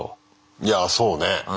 いやあそうね。